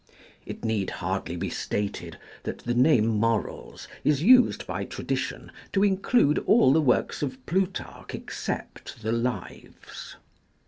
It hardly need be stated, that the name "Morals" is used by tradition to include all the works of Plutarch except the Lives.